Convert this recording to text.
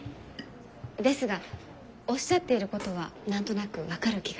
ですがおっしゃっていることは何となく分かる気がいたします。